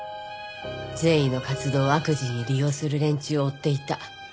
善意の活動を悪事に利用する連中を追っていた。